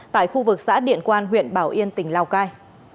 tại khu vực xã điện quan huyện bảo yên tỉnh lào cai